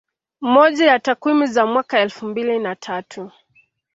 Moja ya takwimu za mwaka elfu mbili na tatu